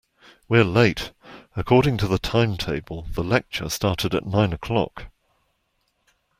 We're late! According to the timetable, the lecture started at nine o'clock